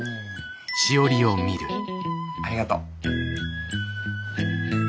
ありがとう。